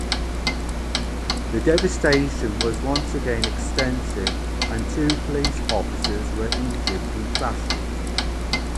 The devastation was once again extensive and two police officers were injured in clashes.